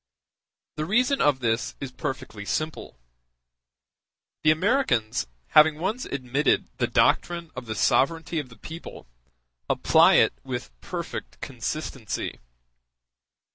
The reason of this is perfectly simple: the Americans, having once admitted the doctrine of the sovereignty of the people, apply it with perfect consistency.